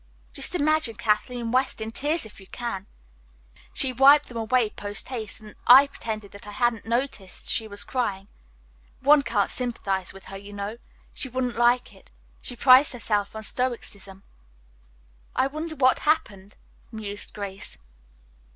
Just imagine Kathleen West in tears if you can. She wiped them away post haste and I pretended I hadn't noticed that she was crying. One can't sympathize with her, you know. She wouldn't like it. She prides herself on her stoicism." "I wonder what happened," mused Grace.